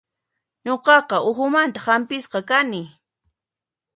Nuqaqa uhumanta hampisqa kani.